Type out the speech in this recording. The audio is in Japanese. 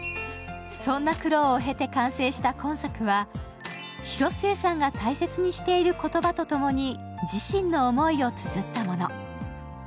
そんな苦労を経て完成した今作は、広末さんが大切にしている言葉とともに、自身の思いをつづったもの。